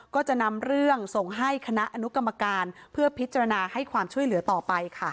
ก็จะนำเรื่องส่งให้คณะอนุกรรมการเพื่อพิจารณาให้ความช่วยเหลือต่อไปค่ะ